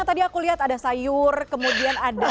tadi aku lihat ada sayur kemudian ada